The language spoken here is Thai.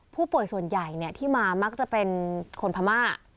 ผู้ป่วยส่วนใหญ่ที่มามักจะเป็นคนพม่า